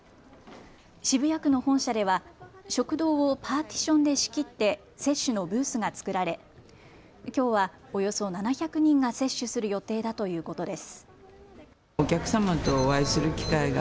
渋谷区の本社では食堂をパーティションで仕切って接種のブースが作られきょうは、およそ７００人が接種する予定だということです。